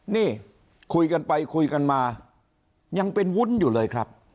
นี่คุยกันไปคุยกันมายังเป็นวุ้นอยู่เลยครับ